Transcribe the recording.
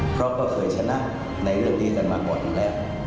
เพราะก็เกิดชนะในเรื่องนี้กันมาก่อนอยู่แล้ว